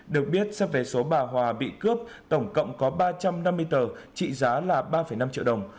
được biết xét về số bà hòa bị cướp tổng cộng có ba trăm năm mươi tờ trị giá là ba năm triệu đồng